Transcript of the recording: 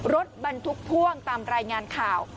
รถบรรทุกพ่วงตามรายงานข่าว